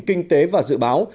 kinh tế và dự báo